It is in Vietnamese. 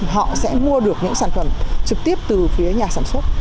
họ sẽ mua được những sản phẩm trực tiếp từ phía nhà sản xuất